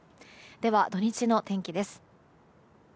では、土日の天気です。